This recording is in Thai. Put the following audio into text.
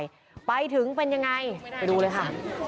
ของคุณยายถวายไปถึงเป็นยังไงไปดูเลยค่ะ